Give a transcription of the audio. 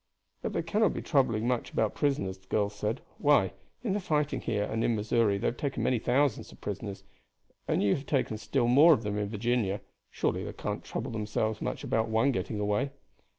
"But they cannot be troubling much about prisoners," the girl said. "Why, in the fighting here and in Missouri they have taken many thousands of prisoners, and you have taken still more of them in Virginia; surely they cannot trouble themselves much about one getting away."